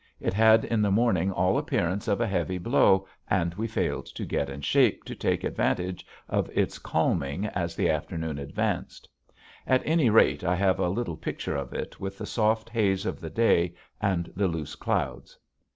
It had in the morning all appearances of a heavy blow and we failed to get in shape to take advantage of its calming as the afternoon advanced. At any rate I have a little picture of it with the soft haze of the day and the loose clouds.